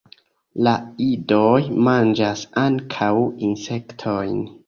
La idoj manĝas ankaŭ insektojn.